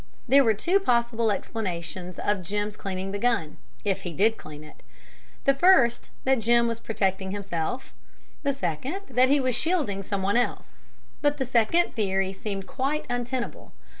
There were two possible explanations of Jim's cleaning the gun, if he did clean it: the first, that Jim was protecting himself; the second, that he was shielding some one else. But the second theory seemed quite untenable.